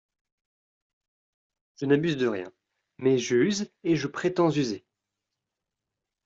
Je n'abuse de rien, mais j'use et je prétends user.